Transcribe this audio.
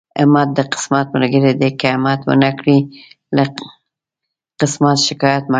همت د قسمت ملګری دی، که همت ونکړې له قسمت شکايت مکوه.